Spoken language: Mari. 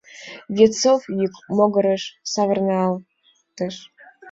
Венцов йӱк могырыш савырналтыш.